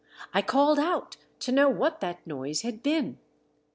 I called out to know what that noise had been.